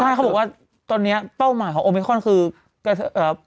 ใช่เขาบอกว่าตอนเนี้ยเป้าหมายของโอมิคอนคือเอ่อ